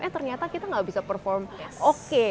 eh ternyata kita nggak bisa perform oke